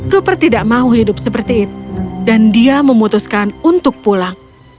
rupert tidak mau hidup seperti itu dan dia memutuskan untuk pulang